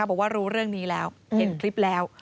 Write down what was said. บอกว่ารู้เรื่องนี้แล้วเห็นคลิปแล้ว